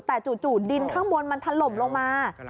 แต่จู่ดินข้างบนมันถล่มลงมา